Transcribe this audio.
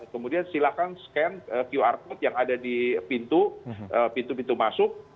kemudian silakan scan qr code yang ada di pintu pintu masuk